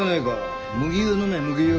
麦湯飲め麦湯。